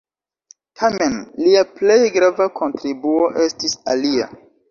Tamen, lia plej grava kontribuo estis alia.